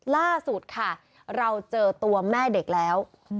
ล่าสุดค่ะเราเจอตัวแม่เด็กแล้ว